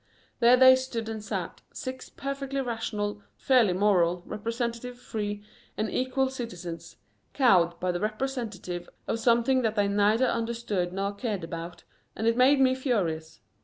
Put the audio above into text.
There they stood and sat, six perfectly rational, fairly moral, representative free and equal citizens, cowed by the representative of something that they neither understood nor cared about, and it made me furious.